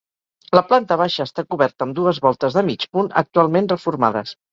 La planta baixa està coberta amb dues voltes de mig punt, actualment reformades.